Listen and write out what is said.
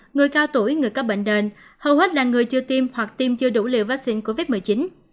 người cao tuổi người có bệnh nền hầu hết là người chưa tiêm hoặc tiêm chưa đủ liều vaccine covid một mươi chín